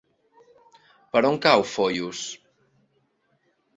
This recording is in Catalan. Per on cau Foios?